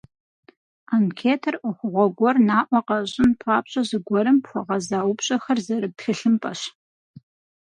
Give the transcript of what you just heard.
Анкетэр ӏуэхугъуэ гуэр наӏуэ къэщӏын папщӏэ зыгуэрым хуэгъэза упщӏэхэр зэрыт тхылъымпӏэщ.